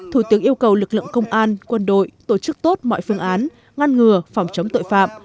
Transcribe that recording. thủ tướng yêu cầu lực lượng công an quân đội tổ chức tốt mọi phương án ngăn ngừa phòng chống tội phạm